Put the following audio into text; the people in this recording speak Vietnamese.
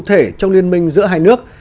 cụ thể trong liên minh giữa hai nước